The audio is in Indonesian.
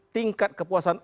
tingkat kepuasan atas